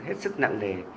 hết sức nặng nề